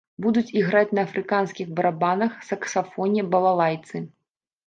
Будуць іграць на афрыканскіх барабанах, саксафоне, балалайцы.